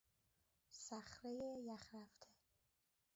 صخرهی یخرفته